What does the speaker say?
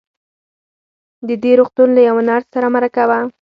د دې روغتون له يوه نرس سره مرکه وه.